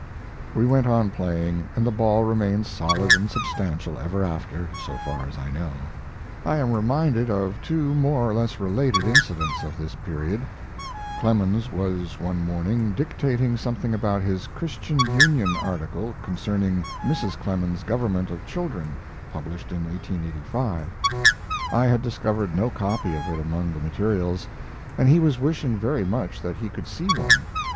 We went on playing, and the ball remained solid and substantial ever after, so far as I know. I am reminded of two more or less related incidents of this period. Clemens was, one morning, dictating something about his Christian Union article concerning Mrs. Clemens's government of children, published in 1885. I had discovered no copy of it among the materials, and he was wishing very much that he could see one.